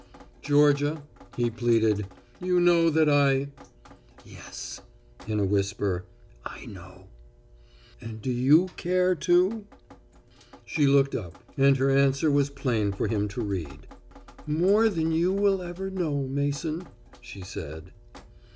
"Georgia," he pleaded, "you know that I " "Yes," in a whisper, "I know." "And do you care, too?" She looked up, and her answer was plain for him to read. "More than you will ever know, Mason," she said.